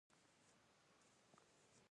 ژبه د ولس د خوښۍ غږ دی